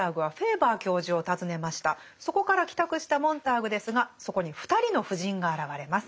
そこから帰宅したモンターグですがそこに２人の夫人が現れます。